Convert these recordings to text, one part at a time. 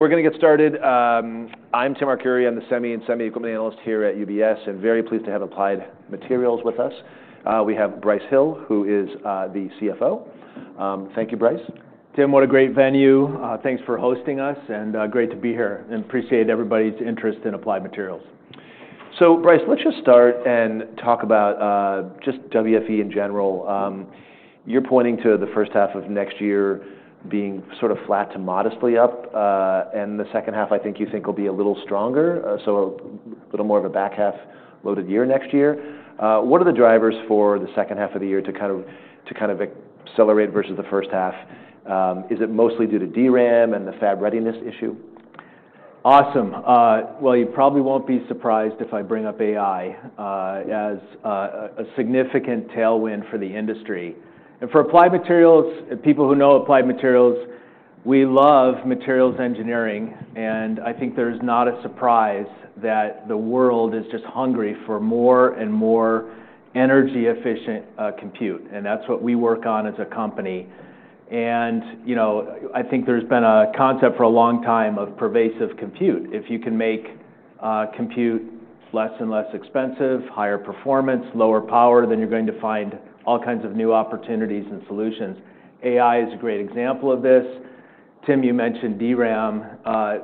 We're going to get started. I'm Tim Arcuri. I'm the Semi and Semi Equipment Analyst here at UBS, and very pleased to have Applied Materials with us. We have Brice Hill, who is the CFO. Thank you, Brice. Tim, what a great venue. Thanks for hosting us, and great to be here. Appreciate everybody's interest in Applied Materials. Brice, let's just start and talk about just WFE in general. You're pointing to the first half of next year being sort of flat to modestly up, and the second half I think you think will be a little stronger, so a little more of a back half-loaded year next year. What are the drivers for the second half of the year to kind of accelerate versus the first half? Is it mostly due to DRAM and the fab readiness issue? Awesome. You probably won't be surprised if I bring up AI as a significant tailwind for the industry. For Applied Materials, people who know Applied Materials, we love materials engineering, and I think there's not a surprise that the world is just hungry for more and more energy-efficient compute, and that's what we work on as a company. I think there's been a concept for a long time of pervasive compute. If you can make compute less and less expensive, higher performance, lower power, then you're going to find all kinds of new opportunities and solutions. AI is a great example of this. Tim, you mentioned DRAM.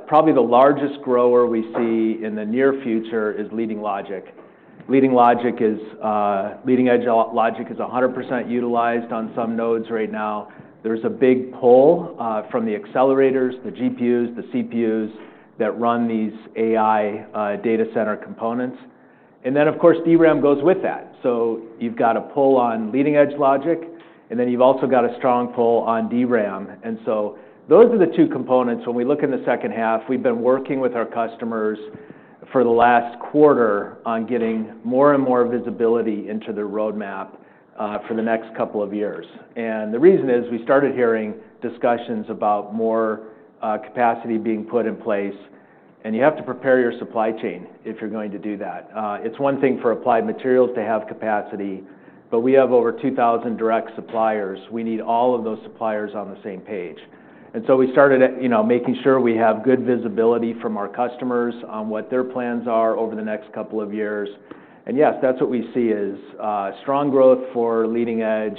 Probably the largest grower we see in the near future is Leading Logic. Leading Logic is leading-edge logic is 100% utilized on some nodes right now. There's a big pull from the accelerators, the GPUs, the CPUs that run these AI data center components. Of course, DRAM goes with that. You have a pull on leading-edge logic, and you also have a strong pull on DRAM. Those are the two components. When we look in the second half, we've been working with our customers for the last quarter on getting more and more visibility into the roadmap for the next couple of years. The reason is we started hearing discussions about more capacity being put in place, and you have to prepare your supply chain if you're going to do that. It's one thing for Applied Materials to have capacity, but we have over 2,000 direct suppliers. We need all of those suppliers on the same page. We started making sure we have good visibility from our customers on what their plans are over the next couple of years. Yes, that's what we see is strong growth for leading edge.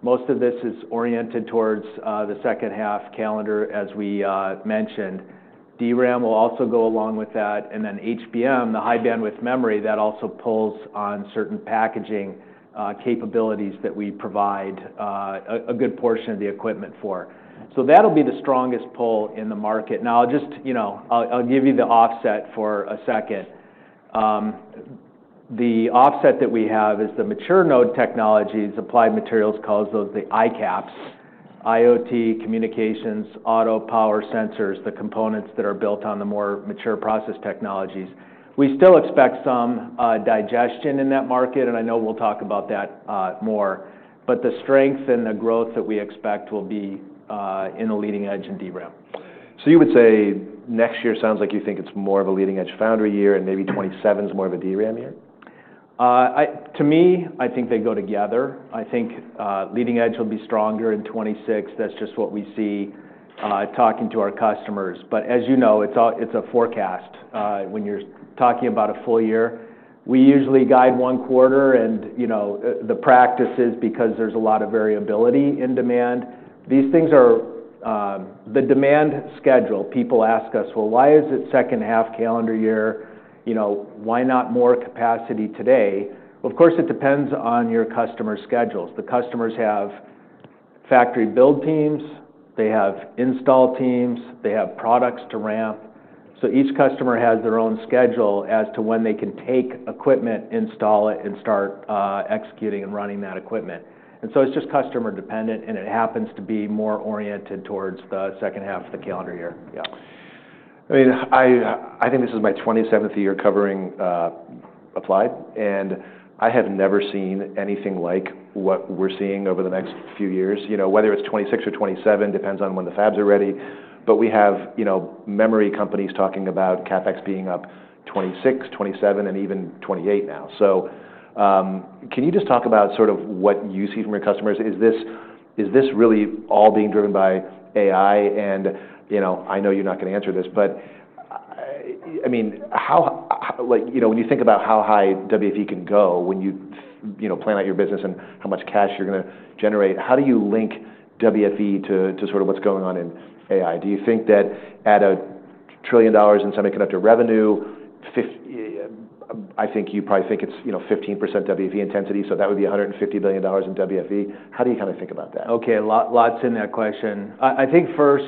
Most of this is oriented towards the second half calendar, as we mentioned. DRAM will also go along with that. HBM, the high bandwidth memory, that also pulls on certain packaging capabilities that we provide a good portion of the equipment for. That'll be the strongest pull in the market. I'll just give you the offset for a second. The offset that we have is the mature node technologies. Applied Materials calls those the ICAPS: IoT, communications, auto, power, sensors, the components that are built on the more mature process technologies. We still expect some digestion in that market, and I know we'll talk about that more, but the strength and the growth that we expect will be in the leading edge and DRAM. You would say next year sounds like you think it's more of a leading edge foundry year, and maybe 2027 is more of a DRAM year? To me, I think they go together. I think leading edge will be stronger in 2026. That is just what we see talking to our customers. As you know, it is a forecast. When you are talking about a full year, we usually guide one quarter, and the practice is because there is a lot of variability in demand. These things are the demand schedule. People ask us, "Why is it second half calendar year? Why not more capacity today?" Of course, it depends on your customer schedules. The customers have factory build teams. They have install teams. They have products to ramp. Each customer has their own schedule as to when they can take equipment, install it, and start executing and running that equipment. It is just customer-dependent, and it happens to be more oriented towards the second half of the calendar year. Yeah. I mean, I think this is my 27th year covering Applied, and I have never seen anything like what we're seeing over the next few years. Whether it's 2026 or 2027, depends on when the fabs are ready, but we have memory companies talking about CapEx being up 2026, 2027, and even 2028 now. Can you just talk about sort of what you see from your customers? Is this really all being driven by AI? I know you're not going to answer this, but I mean, when you think about how high WFE can go when you plan out your business and how much cash you're going to generate, how do you link WFE to sort of what's going on in AI? Do you think that at a trillion dollars in semiconductor revenue, I think you probably think it's 15% WFE intensity, so that would be $150 billion in WFE. How do you kind of think about that? Okay. Lots in that question. I think first,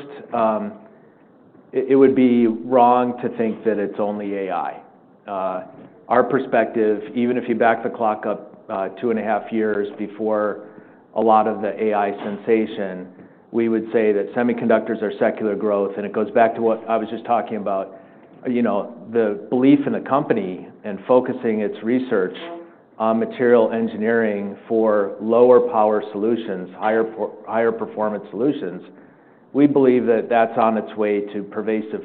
it would be wrong to think that it's only AI. Our perspective, even if you back the clock up two and a half years before a lot of the AI sensation, we would say that semiconductors are secular growth, and it goes back to what I was just talking about, the belief in the company and focusing its research on material engineering for lower power solutions, higher performance solutions. We believe that that's on its way to pervasive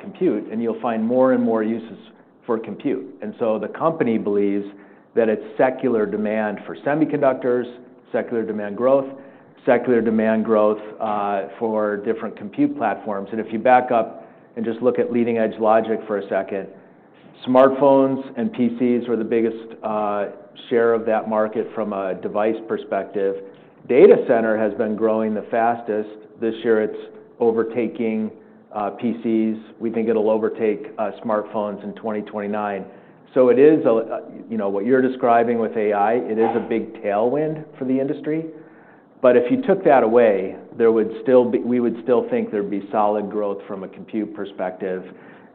compute, and you'll find more and more uses for compute. The company believes that it's secular demand for semiconductors, secular demand growth, secular demand growth for different compute platforms. If you back up and just look at leading edge logic for a second, smartphones and PCs are the biggest share of that market from a device perspective. Data center has been growing the fastest. This year, it's overtaking PCs. We think it'll overtake smartphones in 2029. It is what you're describing with AI; it is a big tailwind for the industry. If you took that away, we would still think there'd be solid growth from a compute perspective.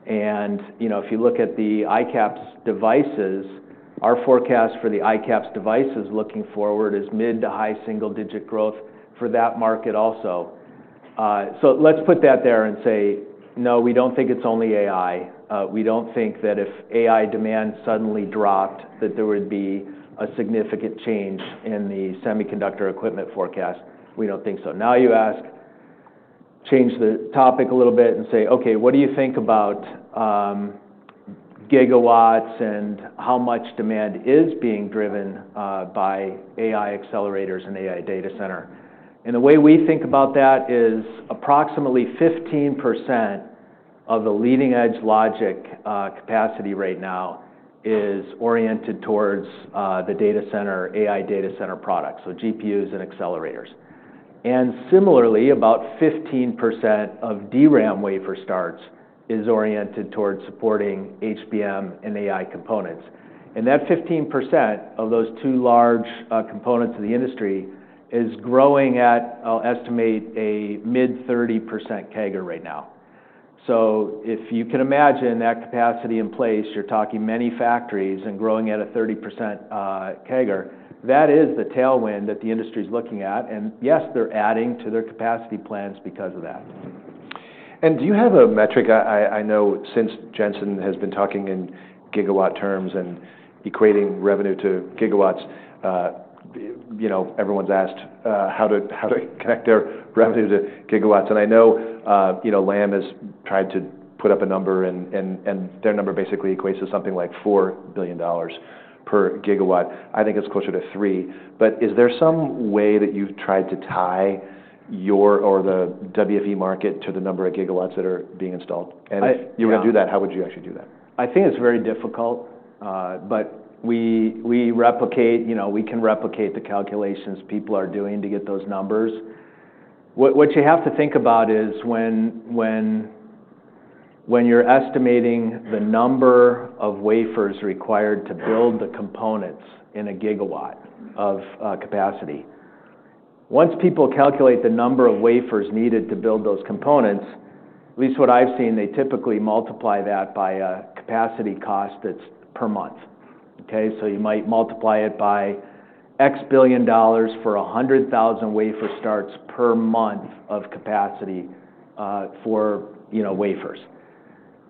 If you look at the ICAPS devices, our forecast for the ICAPS devices looking forward is mid to high single-digit growth for that market also. Let's put that there and say, "No, we don't think it's only AI." We don't think that if AI demand suddenly dropped, that there would be a significant change in the semiconductor equipment forecast. We don't think so. Now you ask, change the topic a little bit and say, "Okay, what do you think about gigawatts and how much demand is being driven by AI accelerators and AI data center?" The way we think about that is approximately 15% of the leading edge logic capacity right now is oriented towards the data center, AI data center products, so GPUs and accelerators. Similarly, about 15% of DRAM wafer starts is oriented towards supporting HBM and AI components. That 15% of those two large components of the industry is growing at, I'll estimate, a mid-30% CAGR right now. If you can imagine that capacity in place, you're talking many factories and growing at a 30% CAGR. That is the tailwind that the industry is looking at. Yes, they're adding to their capacity plans because of that. Do you have a metric? I know since Jensen has been talking in gigawatt terms and equating revenue to gigawatts, everyone's asked how to connect their revenue to gigawatts. I know Lam has tried to put up a number, and their number basically equates to something like $4 billion per gigawatt. I think it's closer to three. Is there some way that you've tried to tie your or the WFE market to the number of gigawatts that are being installed? If you were to do that, how would you actually do that? I think it's very difficult, but we can replicate the calculations people are doing to get those numbers. What you have to think about is when you're estimating the number of wafers required to build the components in a gigawatt of capacity. Once people calculate the number of wafers needed to build those components, at least what I've seen, they typically multiply that by a capacity cost that's per month. Okay? You might multiply it by X billion dollars for 100,000 wafer starts per month of capacity for wafers.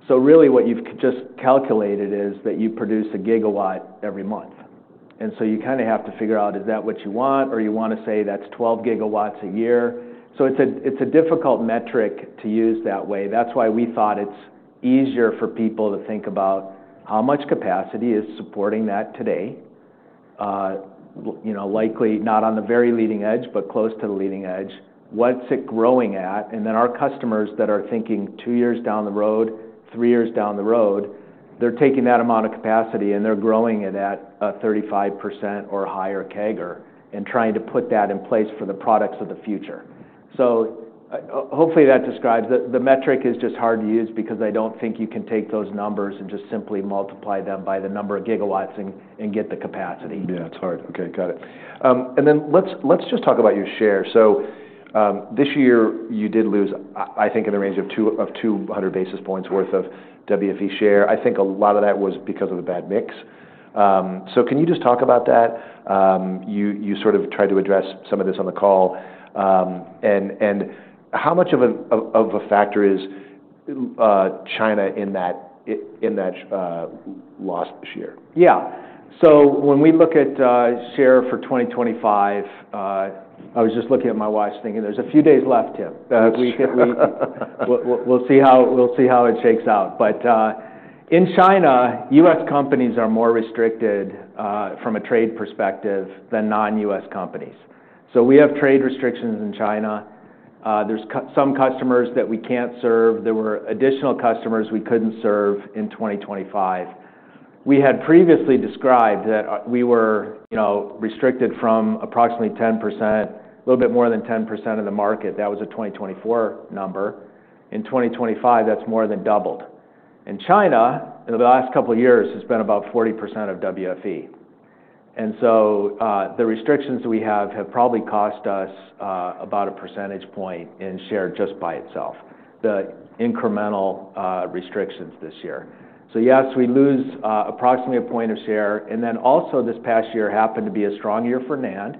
What you've just calculated is that you produce a gigawatt every month. You kind of have to figure out, is that what you want, or you want to say that's 12 gigawatts a year? It's a difficult metric to use that way. That's why we thought it's easier for people to think about how much capacity is supporting that today, likely not on the very leading edge, but close to the leading edge. What's it growing at? Our customers that are thinking two years down the road, three years down the road, they're taking that amount of capacity and they're growing it at a 35% or higher CAGR and trying to put that in place for the products of the future. Hopefully that describes the metric is just hard to use because I don't think you can take those numbers and just simply multiply them by the number of gigawatts and get the capacity. Yeah, it's hard. Okay, got it. Let's just talk about your share. This year you did lose, I think, in the range of 200 basis points worth of WFE share. I think a lot of that was because of a bad mix. Can you just talk about that? You sort of tried to address some of this on the call. How much of a factor is China in that loss this year? Yeah. When we look at share for 2025, I was just looking at my watch thinking there's a few days left, Tim. We'll see how it shakes out. In China, US companies are more restricted from a trade perspective than non-US companies. We have trade restrictions in China. There are some customers that we can't serve. There were additional customers we couldn't serve in 2025. We had previously described that we were restricted from approximately 10%, a little bit more than 10% of the market. That was a 2024 number. In 2025, that's more than doubled. In China, in the last couple of years, it's been about 40% of WFE. The restrictions that we have have probably cost us about a percentage point in share just by itself, the incremental restrictions this year. Yes, we lose approximately a point of share. This past year happened to be a strong year for NAND.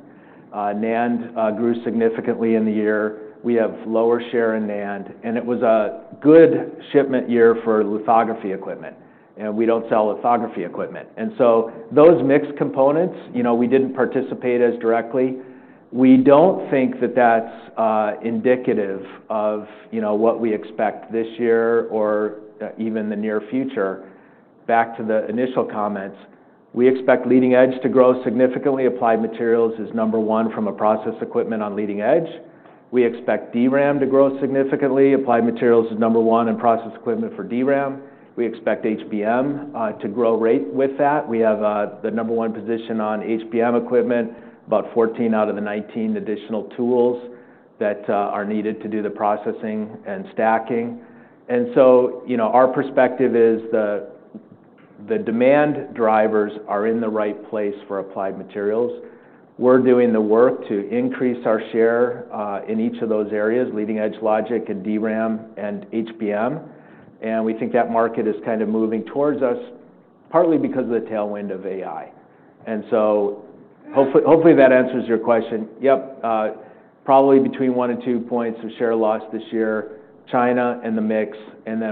NAND grew significantly in the year. We have lower share in NAND. It was a good shipment year for lithography equipment. We do not sell lithography equipment. Those mixed components, we did not participate as directly. We do not think that is indicative of what we expect this year or even the near future. Back to the initial comments, we expect leading edge to grow significantly. Applied Materials is number one from a process equipment on leading edge. We expect DRAM to grow significantly. Applied Materials is number one in process equipment for DRAM. We expect HBM to grow rate with that. We have the number one position on HBM equipment, about 14 out of the 19 additional tools that are needed to do the processing and stacking. Our perspective is the demand drivers are in the right place for Applied Materials. We're doing the work to increase our share in each of those areas, leading edge logic and DRAM and HBM. We think that market is kind of moving towards us partly because of the tailwind of AI. Hopefully that answers your question. Yep. Probably between one and two points of share loss this year, China and the mix.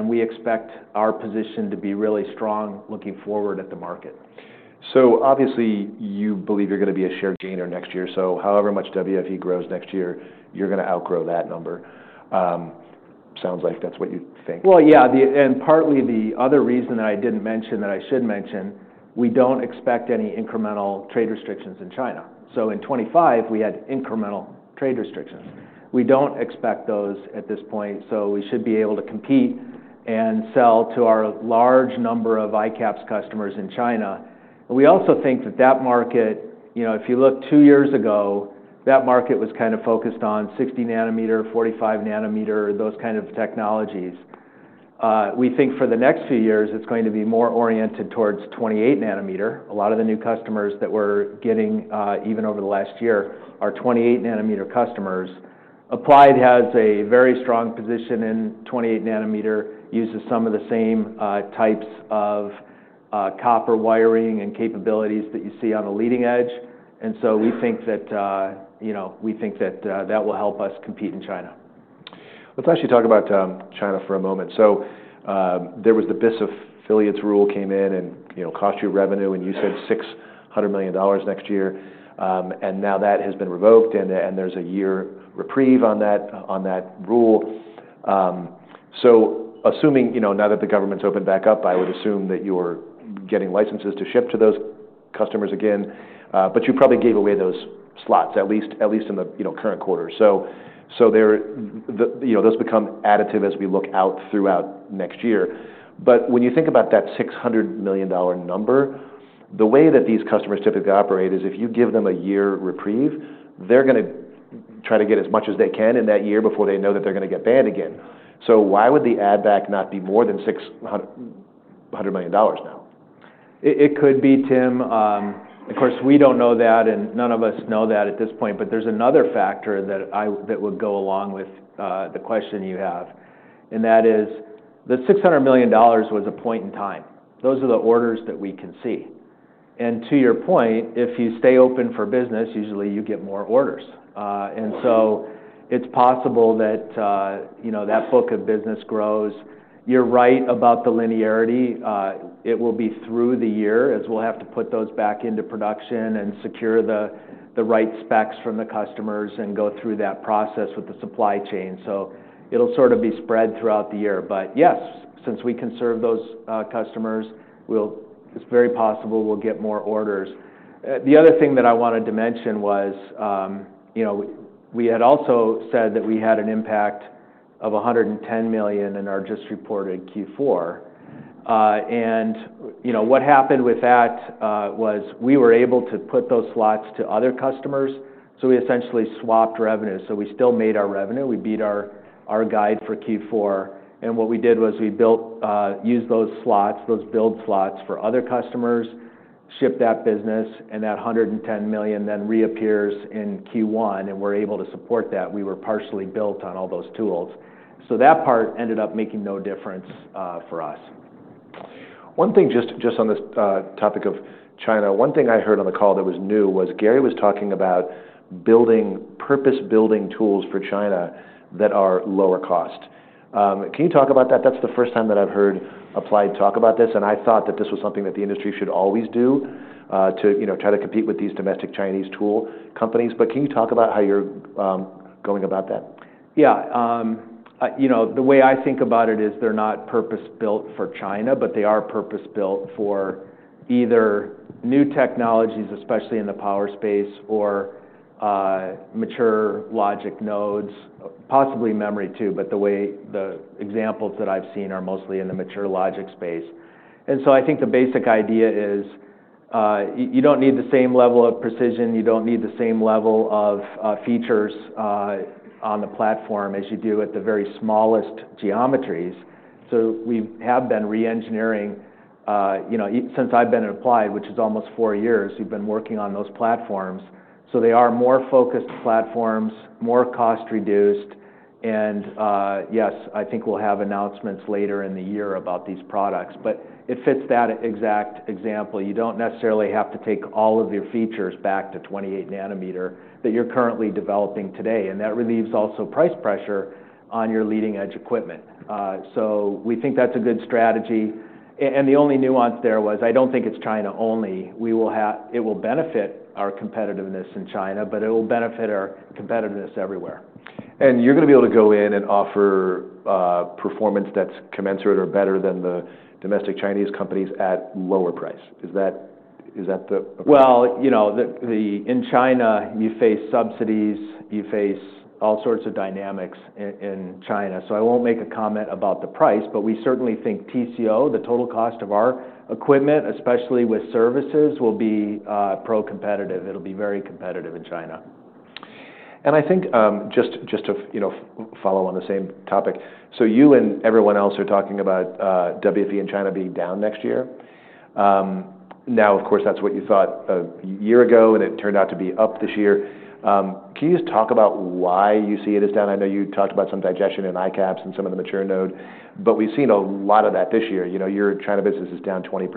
We expect our position to be really strong looking forward at the market. Obviously you believe you're going to be a share gainer next year. However much WFE grows next year, you're going to outgrow that number. Sounds like that's what you think. Partly the other reason that I did not mention that I should mention, we do not expect any incremental trade restrictions in China. In 2025, we had incremental trade restrictions. We do not expect those at this point. We should be able to compete and sell to our large number of ICAPS customers in China. We also think that that market, if you look two years ago, that market was kind of focused on 60 nanometer, 45 nanometer, those kinds of technologies. We think for the next few years, it is going to be more oriented towards 28 nanometer. A lot of the new customers that we are getting even over the last year are 28 nanometer customers. Applied has a very strong position in 28 nanometer, uses some of the same types of copper wiring and capabilities that you see on the leading edge. We think that will help us compete in China. Let's actually talk about China for a moment. There was the BIS affiliates rule came in and cost you revenue, and you said $600 million next year. Now that has been revoked, and there's a year reprieve on that rule. Assuming now that the government's opened back up, I would assume that you're getting licenses to ship to those customers again. You probably gave away those slots, at least in the current quarter. Those become additive as we look out throughout next year. When you think about that $600 million number, the way that these customers typically operate is if you give them a year reprieve, they're going to try to get as much as they can in that year before they know that they're going to get banned again. Why would the add-back not be more than $600 million now? It could be, Tim. Of course, we do not know that, and none of us know that at this point, but there is another factor that would go along with the question you have. That is, the $600 million was a point in time. Those are the orders that we can see. To your point, if you stay open for business, usually you get more orders. It is possible that that book of business grows. You are right about the linearity. It will be through the year as we will have to put those back into production and secure the right specs from the customers and go through that process with the supply chain. It will sort of be spread throughout the year. Yes, since we can serve those customers, it is very possible we will get more orders. The other thing that I wanted to mention was we had also said that we had an impact of $110 million in our just reported Q4. What happened with that was we were able to put those slots to other customers. We essentially swapped revenue. We still made our revenue. We beat our guide for Q4. What we did was we used those slots, those build slots for other customers, shipped that business, and that $110 million then reappears in Q1, and we're able to support that. We were partially built on all those tools. That part ended up making no difference for us. One thing just on this topic of China, one thing I heard on the call that was new was Gary was talking about purpose-building tools for China that are lower cost. Can you talk about that? That is the first time that I have heard Applied talk about this. I thought that this was something that the industry should always do to try to compete with these domestic Chinese tool companies. Can you talk about how you are going about that? Yeah. The way I think about it is they're not purpose-built for China, but they are purpose-built for either new technologies, especially in the power space, or mature logic nodes, possibly memory too, but the examples that I've seen are mostly in the mature logic space. I think the basic idea is you don't need the same level of precision. You don't need the same level of features on the platform as you do at the very smallest geometries. We have been re-engineering since I've been at Applied, which is almost four years, we've been working on those platforms. They are more focused platforms, more cost-reduced. Yes, I think we'll have announcements later in the year about these products. It fits that exact example. You don't necessarily have to take all of your features back to 28 nanometer that you're currently developing today. That relieves also price pressure on your leading edge equipment. We think that's a good strategy. The only nuance there was I don't think it's China only. It will benefit our competitiveness in China, but it will benefit our competitiveness everywhere. You're going to be able to go in and offer performance that's commensurate or better than the domestic Chinese companies at lower price. Is that the? In China, you face subsidies. You face all sorts of dynamics in China. I will not make a comment about the price, but we certainly think TCO, the total cost of our equipment, especially with services, will be pro-competitive. It will be very competitive in China. I think just to follow on the same topic, you and everyone else are talking about WFE in China being down next year. Now, of course, that's what you thought a year ago, and it turned out to be up this year. Can you just talk about why you see it as down? I know you talked about some digestion in ICAPS and some of the mature node, but we've seen a lot of that this year. Your China business is down 20%.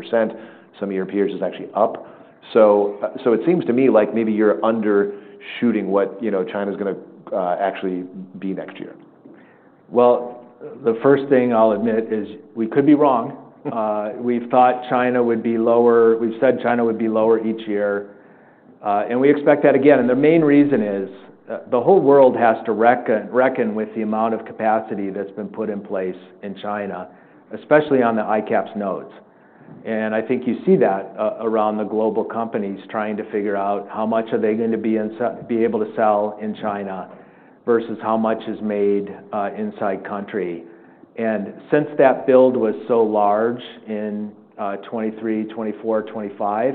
Some of your peers is actually up. It seems to me like maybe you're undershooting what China is going to actually be next year. The first thing I'll admit is we could be wrong. We've thought China would be lower. We've said China would be lower each year. We expect that again. The main reason is the whole world has to reckon with the amount of capacity that's been put in place in China, especially on the ICAPS nodes. I think you see that around the global companies trying to figure out how much are they going to be able to sell in China versus how much is made inside country. Since that build was so large in 2023, 2024, 2025,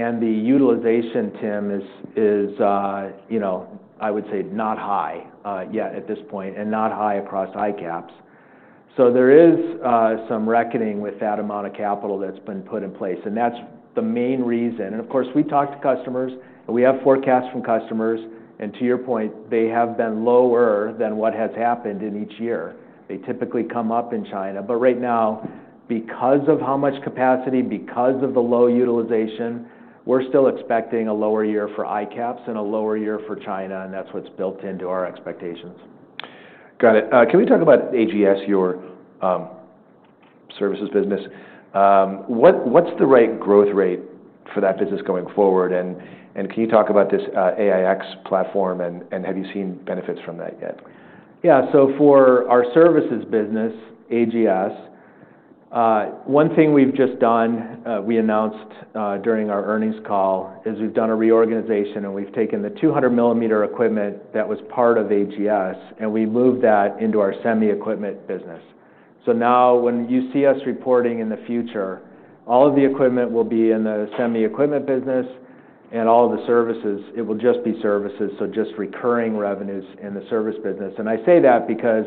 and the utilization, Tim, is, I would say, not high yet at this point and not high across ICAPS. There is some reckoning with that amount of capital that's been put in place. That's the main reason. Of course, we talk to customers, and we have forecasts from customers. To your point, they have been lower than what has happened in each year. They typically come up in China. Right now, because of how much capacity, because of the low utilization, we're still expecting a lower year for ICAPS and a lower year for China. That's what's built into our expectations. Got it. Can we talk about AGS, your services business? What's the right growth rate for that business going forward? Can you talk about this AIX platform, and have you seen benefits from that yet? Yeah. For our services business, AGS, one thing we've just done, we announced during our earnings call, is we've done a reorganization, and we've taken the 200 millimeter equipment that was part of AGS, and we moved that into our semi equipment business. Now when you see us reporting in the future, all of the equipment will be in the semi equipment business, and all of the services, it will just be services. Just recurring revenues in the service business. I say that because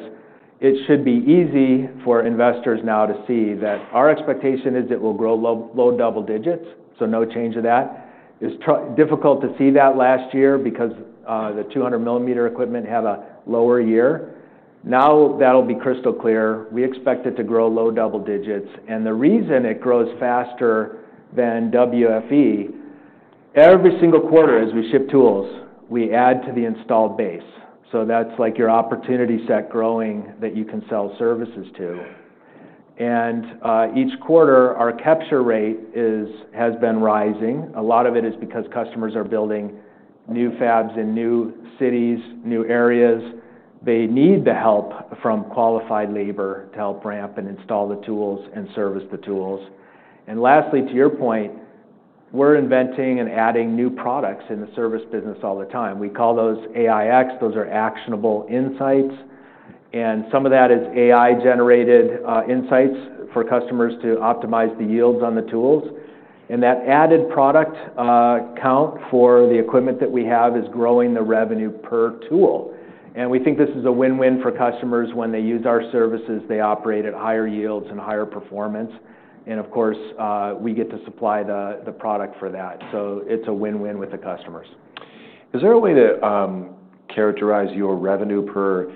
it should be easy for investors now to see that our expectation is it will grow low double digits. No change of that. It was difficult to see that last year because the 200 millimeter equipment had a lower year. Now that'll be crystal clear. We expect it to grow low double digits. The reason it grows faster than WFE, every single quarter as we ship tools, we add to the installed base. That is like your opportunity set growing that you can sell services to. Each quarter, our capture rate has been rising. A lot of it is because customers are building new fabs in new cities, new areas. They need the help from qualified labor to help ramp and install the tools and service the tools. Lastly, to your point, we are inventing and adding new products in the service business all the time. We call those AIX. Those are actionable insights. Some of that is AI-generated insights for customers to optimize the yields on the tools. That added product count for the equipment that we have is growing the revenue per tool. We think this is a win-win for customers. When they use our services, they operate at higher yields and higher performance. Of course, we get to supply the product for that. It is a win-win with the customers. Is there a way to characterize your revenue per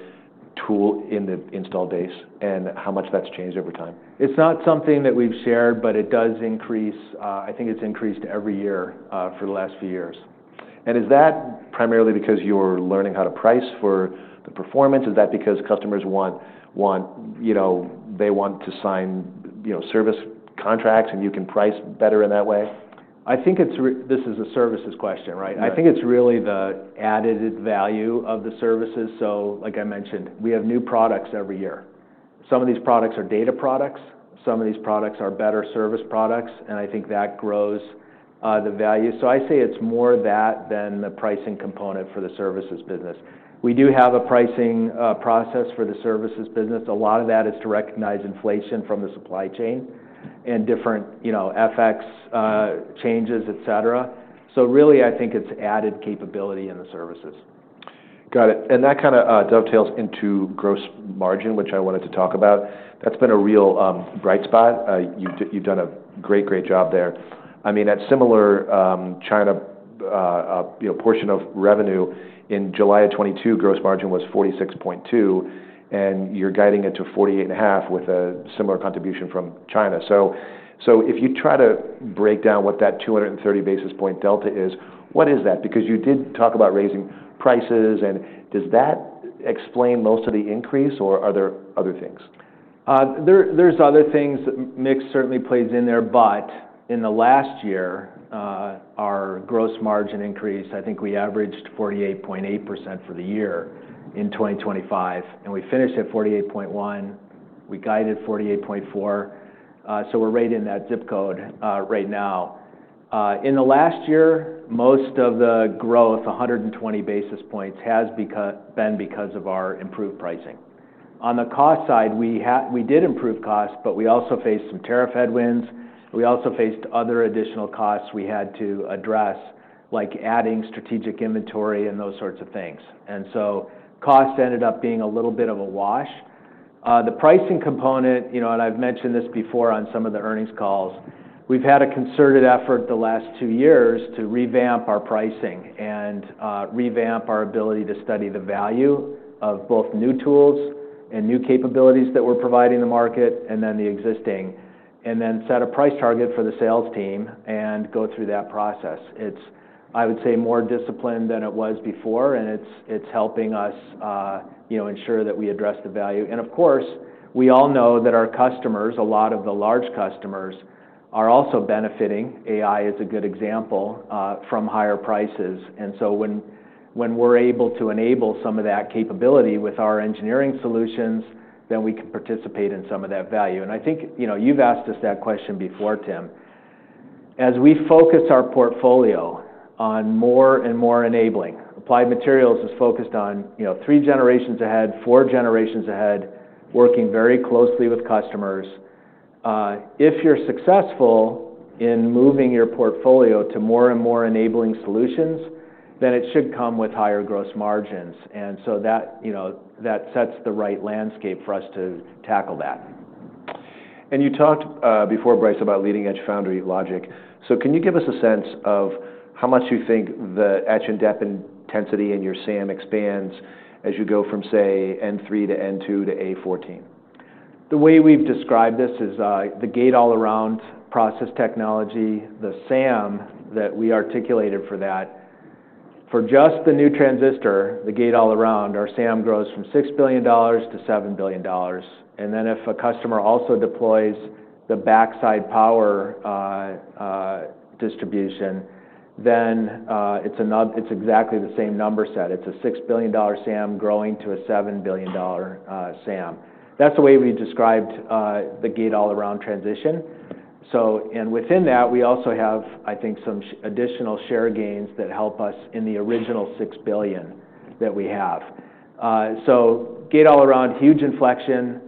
tool in the installed base and how much that's changed over time? It's not something that we've shared, but it does increase. I think it's increased every year for the last few years. Is that primarily because you're learning how to price for the performance? Is that because customers want they want to sign service contracts and you can price better in that way? I think this is a services question, right? I think it's really the added value of the services. Like I mentioned, we have new products every year. Some of these products are data products. Some of these products are better service products. I think that grows the value. I say it's more that than the pricing component for the services business. We do have a pricing process for the services business. A lot of that is to recognize inflation from the supply chain and different FX changes, etc. I think it's added capability in the services. Got it. That kind of dovetails into gross margin, which I wanted to talk about. That's been a real bright spot. You've done a great, great job there. I mean, that similar China portion of revenue in July of 2022, gross margin was 46.2%, and you're guiding it to 48.5% with a similar contribution from China. If you try to break down what that 230 basis point delta is, what is that? Because you did talk about raising prices. Does that explain most of the increase, or are there other things? are other things. Mix certainly plays in there. In the last year, our gross margin increase, I think we averaged 48.8% for the year in 2025. We finished at 48.1%. We guided 48.4%. We are right in that zip code right now. In the last year, most of the growth, 120 basis points, has been because of our improved pricing. On the cost side, we did improve costs, but we also faced some tariff headwinds. We also faced other additional costs we had to address, like adding strategic inventory and those sorts of things. Costs ended up being a little bit of a wash. The pricing component, and I've mentioned this before on some of the earnings calls, we've had a concerted effort the last two years to revamp our pricing and revamp our ability to study the value of both new tools and new capabilities that we're providing the market and then the existing, and then set a price target for the sales team and go through that process. I would say, it's more disciplined than it was before, and it's helping us ensure that we address the value. Of course, we all know that our customers, a lot of the large customers, are also benefiting. AI is a good example from higher prices. When we're able to enable some of that capability with our engineering solutions, we can participate in some of that value. I think you've asked us that question before, Tim. As we focus our portfolio on more and more enabling, Applied Materials is focused on three generations ahead, four generations ahead, working very closely with customers. If you're successful in moving your portfolio to more and more enabling solutions, it should come with higher gross margins. That sets the right landscape for us to tackle that. You talked before, Brice, about leading edge foundry logic. Can you give us a sense of how much you think the etch and dep intensity in your SAM expands as you go from, say, N3 to N2 to A14? The way we've described this is the gate-all-around process technology. The SAM that we articulated for that, for just the new transistor, the gate-all-around, our SAM grows from $6 billion to $7 billion. If a customer also deploys the backside power distribution, then it's exactly the same number set. It's a $6 billion SAM growing to a $7 billion SAM. That's the way we described the gate-all-around transition. Within that, we also have, I think, some additional share gains that help us in the original $6 billion that we have. Gate-all-around, huge inflection.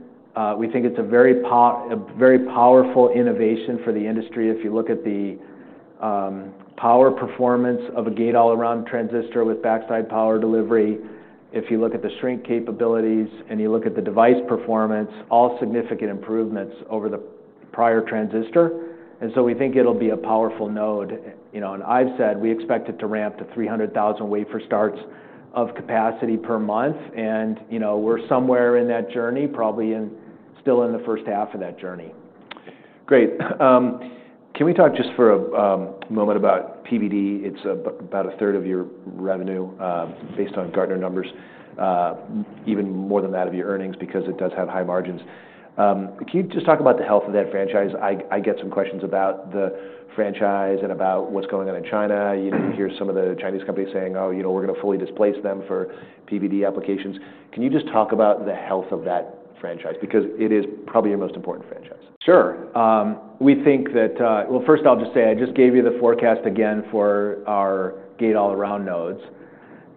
We think it's a very powerful innovation for the industry. If you look at the power performance of a gate-all-around transistor with backside power delivery, if you look at the shrink capabilities and you look at the device performance, all significant improvements over the prior transistor. We think it'll be a powerful node. I've said we expect it to ramp to 300,000 wafer starts of capacity per month. We're somewhere in that journey, probably still in the first half of that journey. Great. Can we talk just for a moment about PVD? It's about a third of your revenue based on Gartner numbers, even more than that of your earnings because it does have high margins. Can you just talk about the health of that franchise? I get some questions about the franchise and about what's going on in China. You hear some of the Chinese companies saying, "Oh, we're going to fully displace them for PVD applications." Can you just talk about the health of that franchise? Because it is probably your most important franchise. Sure. We think that, first, I'll just say I just gave you the forecast again for our gate-all-around nodes.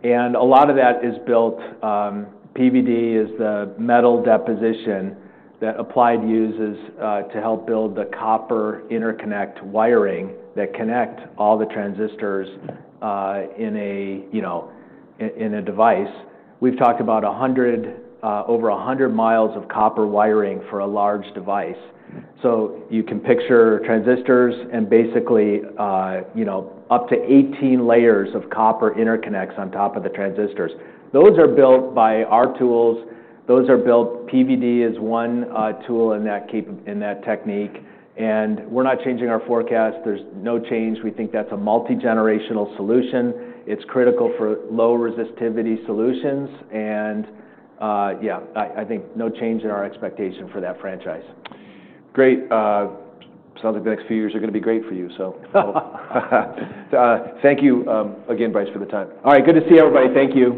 A lot of that is built. PVD is the metal deposition that Applied uses to help build the copper interconnect wiring that connect all the transistors in a device. We've talked about over 100 mi of copper wiring for a large device. You can picture transistors and basically up to 18 layers of copper interconnects on top of the transistors. Those are built by our tools. PVD is one tool in that technique. We're not changing our forecast. There's no change. We think that's a multi-generational solution. It's critical for low resistivity solutions. I think no change in our expectation for that franchise. Great. Sounds like the next few years are going to be great for you. Thank you again, Brice, for the time. All right. Good to see everybody. Thank you.